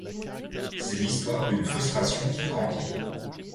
C'est l'histoire d'une frustration qui grandit.